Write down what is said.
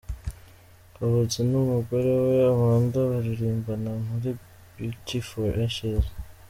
Kavutse n'umugore we Amanda baririmbana muri Beauty For Ashes.